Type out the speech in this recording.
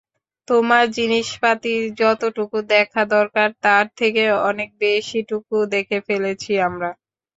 তোমার জিনিসপাতি যতটুকু দেখা দরকার তার থেকে অনেক বেশিটুকু দেখে ফেলেছি আমরা।